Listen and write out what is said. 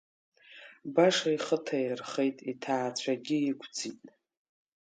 Баша ихы ҭаирхеит, иҭаацәагьы иқуӡит…